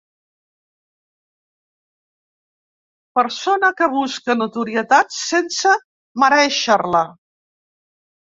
Persona que busca notorietat sense merèixer-la.